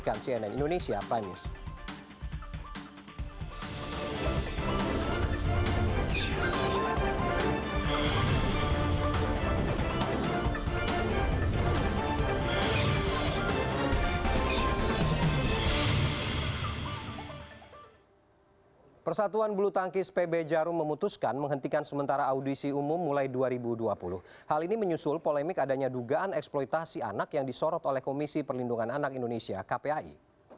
hal ini menyusul polemik adanya dugaan eksploitasi anak yang disorot oleh komisi perlindungan anak indonesia kpai